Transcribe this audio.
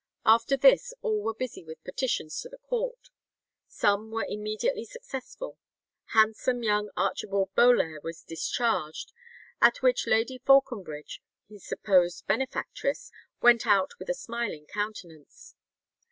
After this all were busy with petitions to the court. Some were immediately successful. Handsome young Archibald Bolair was discharged, "at which Lady Faulconbridge, his supposed benefactress, went out with a smiling countenance."